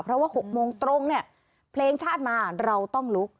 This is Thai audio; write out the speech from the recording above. เพราะว่า๖โมงตรงเนี่ยเพลงชาติมาเราต้องลุก